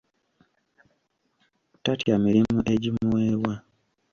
Tatya mirimu egimuweebwa.